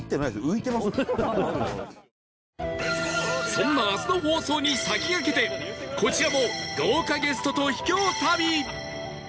そんな明日の放送に先駆けてこちらも豪華ゲストと秘境旅